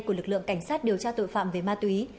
của lực lượng cảnh sát điều tra tội phạm về ma túy